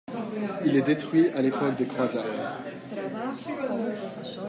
Il est détruit à l'époque des Croisades.